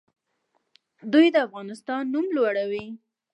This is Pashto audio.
دوی د افغانستان نوم لوړوي.